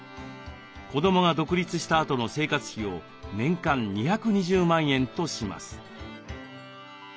子どもが独立したあとの生活費を年間２２０万円とします。